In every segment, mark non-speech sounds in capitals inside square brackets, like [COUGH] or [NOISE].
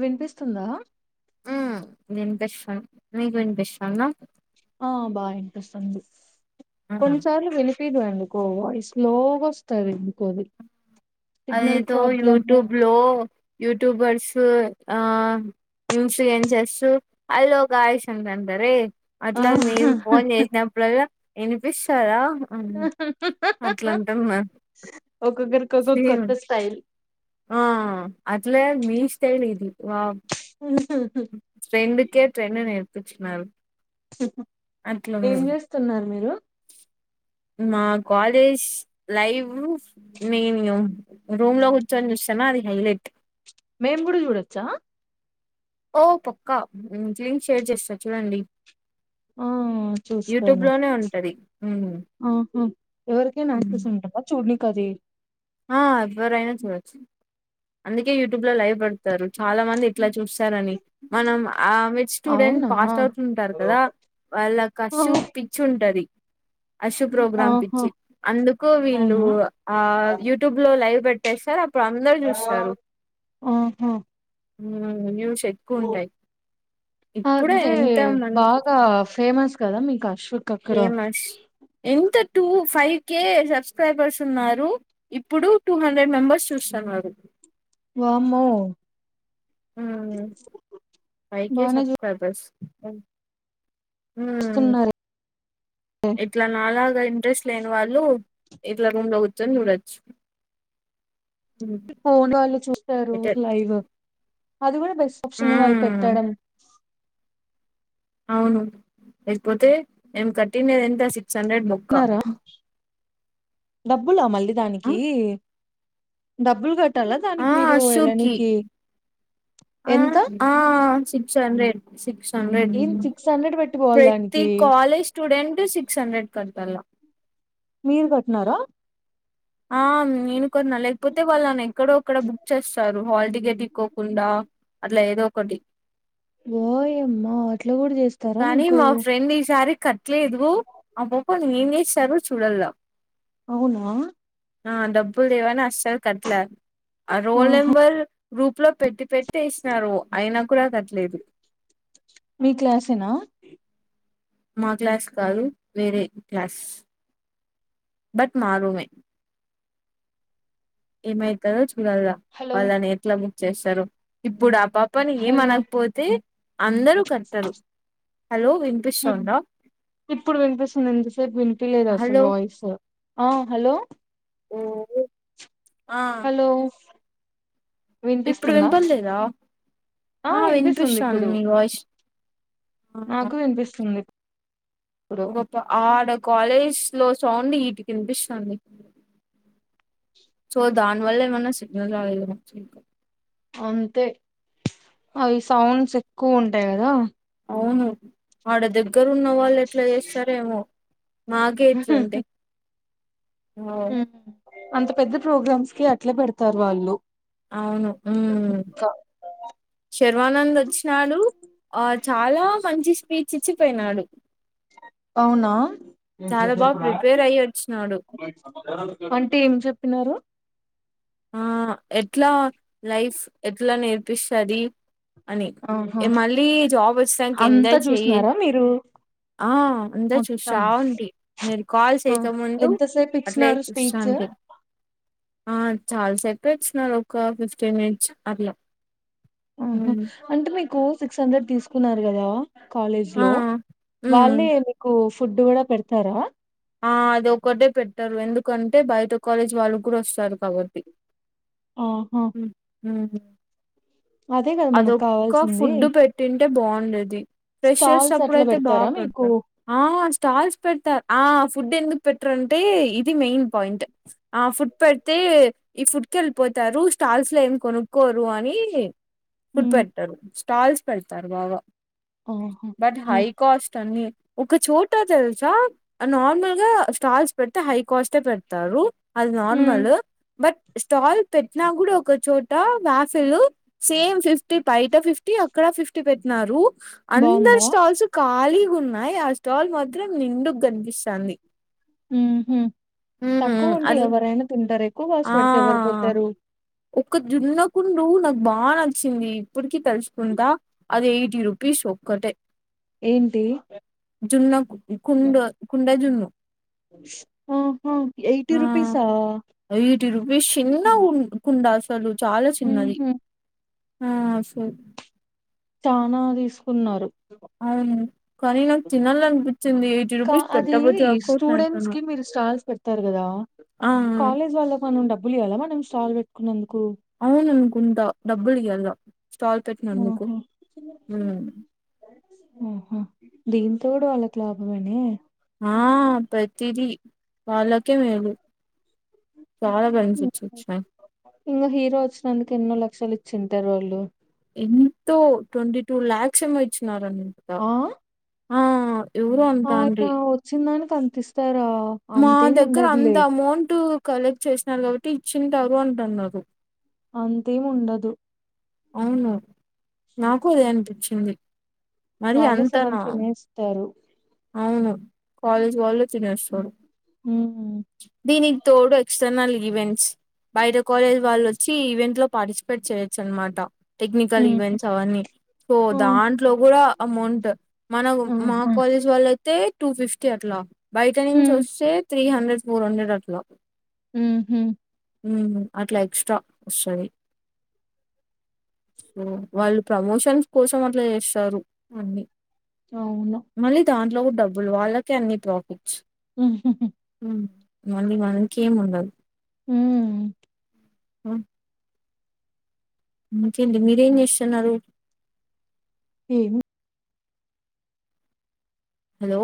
వినిపిస్తుందా వినిపిస్తున్ మీకు వినిపిస్తుందా ఆ బా వినిపిస్తుంది ఆ! కొన్నిసార్లు విని అది స్లోగొస్తది అనేతో యూట్యూబ్ లో యూట్యూబర్స్ ఆ నింషు ఏం చేసు ఐలోక్ ఆయుష్ అంతతరే ఆ అట్లా మీరు ఫోన్ చేసినప్పుడల్లా వినిపిస్తారా ఒకొక్కరొక సేమ్ కొత్త స్టయిల్ ఆ అట్లే మీ స్టైలిది ట్రెండుకే ట్రెండ్ నేర్పిచినారు ఏం చేస్తున్నారు మీరు మా కాలేజ్ లైవ్ మెన్యూ రూమ్ లో కూర్చొని చూస్తానా అది హైలైట్ మేము కూడా చూడొచ్చా ఓ పక్కా లింక్ షేర్ చేస్తా చూడండి ఆ యూట్యూబ్ చూస్తాను లోనే ఉంటది హ్మ్. ఆహా ఎవరికే హ్మ్. యాక్సెస్ చూడనికి ఆది ఆ ఎవరు అయిన చూడొచ్చు అందుకే యూట్యూబ్ లో లైవ్ పెడతారు చాలా మంది ఇట్లా చూస్తారని మనం ఆ మెడ్ స్టూడెంట్ అవునా పాస్ అవుట్ ఉంటారు కదా వాళ్ళ కసి పిచ్చి ఉంటది అశు ప్రోగ్రామ్ ఆహా పిచ్చి అందుకు వీళ్ళు అవునా ఆ లో లైవ్ పేటసారు అప్పుడు అందరూ చూస్తారు ఆహా ఎక్కువుంటాయి. ఇప్పుడే అదే ఎంత మంది బాగా చూస్తున్నారు. ఫేమస్ కదా మికాష్ ఫేమస్ ఎంత టూ ఫైవ్ కే సబ్స్క్రైబర్స్ ఉన్నారు ఇప్పుడు టూ హండ్రెడ్ మెంబర్స్ చూస్తానరూ వామో అహ్ ఫైవ్కే బానే సబ్స్క్రయిబ్ హ్మ్ చూస్తున్నారే ఇట్ల నాలాగా ఇంట్రెస్ట్ లేని వాళ్ళు ఇట్ల రూమ్లో కుర్చోని చూడొచ్చు ఉమ్, ఫోన్ వాళ్ళు చూస్తారు బెటర్ లైవ్ అది కూడా బెస్ట్ ఆప్షన్ వాళ్ళు ఉమ్, పెట్టాడం అవును లేకపోతే మేము కట్టినది ఎంత సిక్స్ హండ్రెడ్ బొక్క న్నారా డబ్బులా మళ్ళీ దానికి డబ్బులు కట్ కాటాలా ఆ దానికి మీరు షూకి వెళ్ళనికి ఆ ఎంత ఆ six hundred six six hundred ఏం సిక్స్ హండ్రెడ్ పెట్టుకోవాలి ప్రతి దానికి కాలేజ్ స్టూడెంట్ సిక్స్ హండ్రెడ్ కట్టల మీరు కట్టిన్నారా ఆ నేను కొన్న లేకపోతే వాళ్ళు నన్ను ఎక్కడో అక్కడ బుక్ చేస్తారు హాల్టికెట్ టిక్కోకుండా అట్లా ఏదో ఒకటి వయమో అట్ల కూడా చేస్తారా మీకు లేదు అప్పుడు ఏం చేస్తారో చూడాలా అవునా ఆ డబ్బులు లేవని అస్సలు కట్లే ఆ రోల్ ఆహా నెంబర్ గ్రూప్లో పెట్టి పెట్టి టెసినారు అయినా కూడా కట్టలేదు మీ క్లాసేనా మా క్లాస్ కాదు వేరే క్లాస్ బట్ మా రూమ్ ఏ ఏమైతాధో చూడాల హలో వాళ్ళని ఎట్లా బుక్ చేస్తారు ఇప్పుడు పాపని ఏం హలో అనకపోతే అందరూ కట్టరు హలో వినిపిస్తోందా ఇప్పుడు వినిపిస్తుంది ఇంతసేపు వినిపిలేదు అసలు హలో వాయిస్ ఆ హలో హ్మ్ హలో ఇప్పుడు వినిపిస్తుందా వినపడలేదా ఆ వినిపిస్తుంది వినిపిస్తాంది ఇప్పుడు మీ వాయిస్ ఆ నాకు వినిపిస్తుంది ఇప్పుడు ఆడ కాలేజ్ లో సౌండ్ ఈటికినిపిస్తుంది సో దాని వల్ల ఏమన్నా సిగ్నల్ రాలేదేమో ఇంకా అంతే అవి సౌండ్స్ ఎక్కువ ఉంటాయి కదా అవును ఆడ దగ్గరు ఉన్న వాళ్ళు ఎట్లా చేస్తారేమో మాకే ఇట్టుంతే ఉమ్ అంత పెద్ద ప్రోగ్రామ్స్ కి అట్లే పెడతారు వాళ్ళు అవును ఊమ్ సర్ సర్వానంద్ వచ్చినాడు. ఆ చాలా మంచి స్పీచ్ ఇచ్చిపోయినాడు. అవునా చాలా బాగా ప్రిపేర్ అయ్యి వచ్చినాడు అంటే ఏం చెప్పినారు ఆ ఎట్లా లైఫ్ ఎట్లా నేర్పిస్తది. అని ఆహా ఎ మళ్ళీ జాబ్ వచ్చినాక అంతా చెయ్యే చూసినారా మీరు ఆ ఉందా మొత్తం చూస్తా వుంటి మీరు కాల్ ఆ చేయక ముందు ఎంతసేపు అట్లే ఇచ్చినారు చూస్త స్పీచ్ అ ఆ చాలా సెపే ఇచ్చినారు ఒక ఫిఫ్టీన్ మినిట్స్ అట్లా ఆహా ఉమ్. అంటే మీకు సిక్స్ హండ్రెడ్ తీసుకున్నారు కదా కాలేజ్ ఆ లో ఉమ్ వాళ్ళే మీకు ఫుడ్ కూడా పెడతారా ఆ అది ఒక్కటే పెట్టరు. ఎందుకంటే బయట కాలేజీ వాళ్ళకి కూడా వస్తారు కాబట్టి ఆహా హుహు అదే గదా మనకు అదొక్క కావాల్సింది. ఫుడ్డు పెట్టింటే బాగున్ ది ఫ్రెషర్స్ స్టాల్స్ అట్లా అప్పుడయితే బెడతారా బాగా మీకు? పెడతారు ఆ స్టాల్స్ పెడతారు ఆ ఫుడ్ ఎందుకు పెట్టరు అంటే ఇది మెయిన్ పాయింట్ ఆ ఫుడ్ పెడితే ఈ ఫుడ్ కి వెళ్ళిపోతారు. స్టాల్స్ లో ఏం కొనుక్కోరు అని. ఫుడ్ హ్మ్. పెడతరు. స్టాల్స్ పెడతారు. బాగా ఆహా! బట్ హై హ్మ్. కాస్ట్ అన్ని ఒక చోట తెలుసా నార్మల్ గా స్టాల్స్ పెడితే హై కాస్ట్ ఏ పెడతారు. అది హ్మ్. నార్మల్ బట్ స్టాల్ పెట్టినా కూడా ఒక చోట బ్యా సైడ్ సేమ్ ఫిఫ్టీ బయట ఫిఫ్టీ అక్కడ ఫిఫ్టీ పెట్నారు. అందరు బావుందా? స్టాల్స్ ఖాళీ ఉన్నాయి ఆ స్టాల్ మాత్రం నిండుగ కనిపిస్తాంది. ఉహు ఉమ్ తక్కువ ఉంటే అది ఎవరైనా తింటరే ఎక్కువ ఆస్పడితే ఎవరు పోతారు ఒక దున్నకుండు నాకు బాగ నచ్చింది. ఇప్పటికి తెలుసుకుంటా అది ఎయిటీ రూపీస్. ఒక్కటే ఏంటి? జున్న కుండ కుండ జున్ను ఆహా ఎయిటీ రుపీసా ఎయిటి రూపీస్ చిన్న ఉ కుండా అసలు చాలా చిన్నది హుహు. ఆ సో చానా తీసుకున్నరు. అవును కాని నాకు తినాలనిపి కా అది స్టూడెంట్స్ కి మీరు స్టాల్స్ పెడతారు కదా! ఆ కాలేజ్ వాళ్లకు మనం డబ్బులు ఇయ్యాల మన స్టాల్ పెట్టుకున్నందు అవును అనుకుంతా డబ్బులు ఇయ్యల్ల ఆహ హ్మ్ ఆహ దీన్ తోడు వాళ్ళకి లాభమేనే ఆ ప్రతిదీ వాళ్ళకే మేలు చాలా బెనిఫిట్స్ వచ్చినాయి ఇంగ హీరో వచ్చినందుకి ఎన్నో లక్షలు ఇచ్చింది ఇంటారు వాళ్ళు ఎంతో ట్వంటీ టూ లాక్స్ ఏమో ఇచ్చినారంట ఆ ఆయన వచ్చిందానికి అంతిస్తారా మా అంతేం దగ్గర అంత ఉండదులే అమౌంట్ కలెక్ట్ చేసినారు. కాబట్టి ఇచ్చింటారు అంటన్నారు. అంతేము ఉండదు అవును నాకు అదే అనిపిత్తంది. మరి వాళ్ళే సగం అంతనా తినేస్తారు అవు కాలేజ్ వాళ్ళే తినేస్తారు ఉమ్ దీని తోడు ఎక్స్టర్నల్ ఈవెంట్స్ బయట కాలేజ్ వాళ్ళో చ్చి ఈవెంట్ లో పార్టిసిపేట్ చేయొచ్చు అనమాట టెక్నికల్ ఉమ్ ఈవెంట్స్ అవన్నీ, సో ఆ దాంట్లో కూడా అమౌంట్ మనము మా ఆహా కాలేజ్ వాళ్ళైయితే టూ ఫిఫ్టీ అట్లా బయట నుంచి ఉమ్ వస్ సే త్రీ హండ్రెడ్ ఫోర్ హండ్రెడ్ అట్లా ఊహూ ఉమ్ అట్లా ఎక్స్ట్రా వస్తది వాళ్ళు ప్రమోషన్స్ కోసం అట్లా చేస్తారు, అన్ని అవునా లో డబ్బులు, వాళ్ళకే అన్ని ప్రాఫిట్స్ ఉహుహు మళ్ళీ మనకేమ్ ఉండదు ఊమ్ ఆ ఇంకేంటి మీరేం చేస్తున్నారు ఏమ్ హలో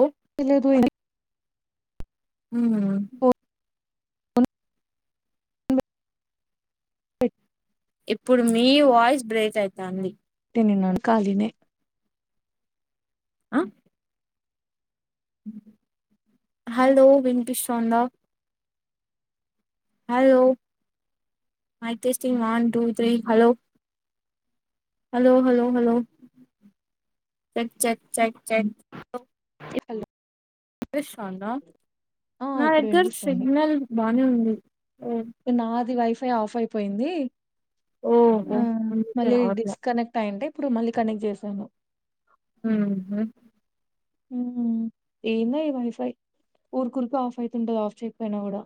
లేదు ఉహు [INAUDIBLE] ఇప్పుడు మీ వాయిస్ బ్రేక్ అయితాంది న్నాను కాలినే అ హలో వినిపిస్తాందా hello mic testing one two three hello hello hello hello check check check check hello నా ఇప్పుడు దగ్గర వినిపిస్తుంది సిగ్నల్ బానే ఉంది ఓ పే ఆఫ్ అయిపోయింది ఓహో అందుకే మళ్ళీ రావట్లే డిస్కనెక్ట్ అయుంటే ఇప్పుడు మళ్ళీ కనెక్ట్ చేశాను ఊహూ ఉమ్ ఏందో ఈ వైఫై ఊరికురికే ఆఫ్ అయితుంటది ఆఫ్ చేయకపోయినా కూడా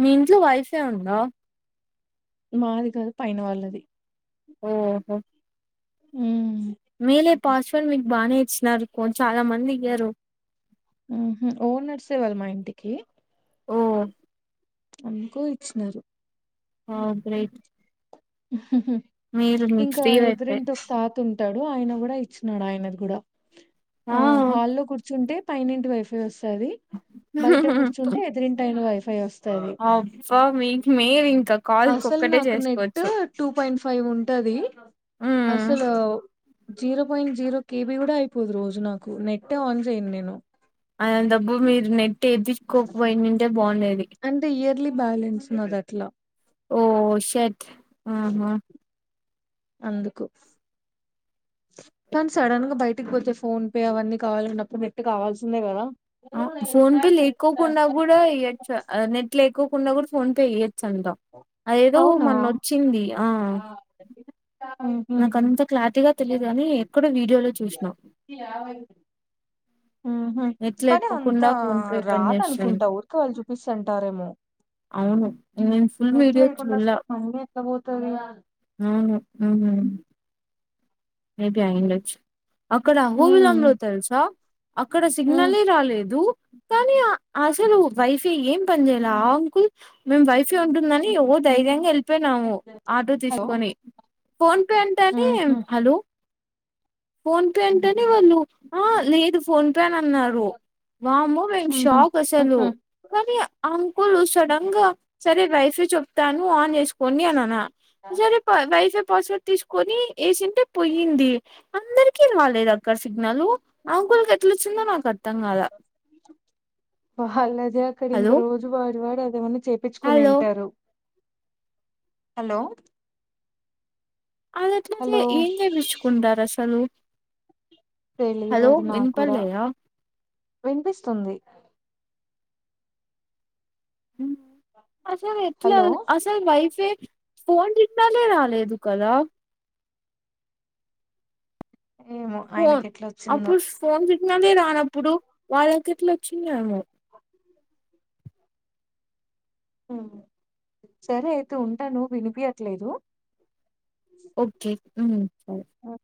మీ ఇంట్లో వైఫై ఉందా మాది కాదు పైన వాళ్ళది ఓహో ఉమ్ మీలే పాస్వర్డ్ మీకు బాగానే ఇచ్చినారు చాలా మంది ఇయ్యరు ఉహు ఓనర్సే వాళ్ళు మా ఇంటికి ఓ అందుకు ఇచ్చినారు ఓ గ్రేట్ మీరు మీకు ఇంకా ఫ్రీ వైఫై ఎదురింట తాతుం టాడు ఆయన కూడా ఇచ్చినడు ఆయనది కూడా, ఆ హాల్లో కూర్చుంటే పైనింటి వైఫై వస్తాది, బయట కూర్చుంటే ఎదిరింటాయిన వైఫై వస్ అ మీ మేం అసలు నాకు నెట్ టూ పాయింట్ ఫైవ్ ఉంటది హ్మ్ అసలు జీరో పాయింట్ జీరో కేబీ కూడా అయిపోదు రోజు నాకు, నెట్టే ఆన్ చేయ్యన్ నేను అలాంటప్పుడు మీరు నెట్ ఏపిచ్చ్కోకపోయిండుంటే అంటే ఇయర్లీ బ్యాలెన్స్ నాదట్లా ఓ షట్ హ హ అందుకు కానీ సడన్ గా బయటికి పోతే ఫోన్ పే అవన్నీ కావాలకున్నప్పుడు నెట్ కావాల్సిందే కదా ఫోన్ పే లేకోకుండా కూడా ఎయచ్చ ఆ నెట్ లేకోకుండా కూడా ఫోన్పే ఎయ చంద అది ఏదో అవునా మొన్న వచ్చింది ఆ ఉహు నాకు అంత క్లారిటీగా తెలియదు కాని ఎక్కడో వీడియోలో చూసినా హు హై కానీ అంత ఫోన్ పే పని చేస్తుంది రాదనుకుంటా ఊరికే వాళ్ళు చూపిస్తంటారేమో అవును నేను ఫుల్ నెట్ వీడియో లేకుండా చూడలా అసలు కన్నె ఎట్లా పోతది అవును ఉ మేబి అయ్యిండచ్చు అక్కడ అహో విలంలో ఉమ్ తెలుసా అక్కడ ఉమ్ సిగ్నలే రాలేదు కానీ అసలు వైఫై ఏం పని చేయాల ఆ అంకుల్ మేం వైఫై ఉంటుందని ఒ ధైర్యంగా వెళ్ళిపోయినాము ఆటో హలో తీసుకొని ఫోన్ పే అంటేని ఉహు హలో ఫోన్ పే అంటేనే వాళ్ళు ఆ లేదు ఫోన్ తనన్నాడు వామ్మో మేము ఉహు షాక్ అసలు ఉహు కానీ అ కూల్ సడెన్గా సరే వైఫై చెప్తాను ఆన్ చేసుకోండి అని అనా సరే వైఫే పాస్వర్డ్ తీసుకొని ఏసింటే పోయింది అందరికివాలేదు అక్క సిగ్నల్ అంకుల్ కెట్లచ్చిందో నాకు అర్థం కలా వాళ్ళది అక్కడింకా హలో రోజు వాడి వాడి అదేమన్న హలో చెప్పిచుకునింటారు హలో అదట్ల జే హలో ఏంచెప్పించుకుంటారు అసలు తెలీదు హలో అది నా కూడా వినపడలేదా వినిపిస్తుంది అసలు ఎట్ల హలో అసలు వైఫై ఫోన్ సిగ్నలే రాలేదు కదా ఏమో ఆయనకి ఫోన్ ఎట్లా వచ్చిందో అప్పుడు ఫోన్ సిగ్నలే రానప్పుడు వాళ్ళకేట్లా వచ్చిందో ఏమో సరే అయితే ఉంటాను వినిపియట్లేదు ఓకే ఐ మీన్ నో